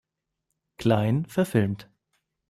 Klein verfilmt.